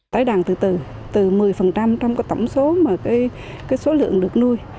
tái đàn từ từ từ một mươi trong tổng số mà số lượng được nuôi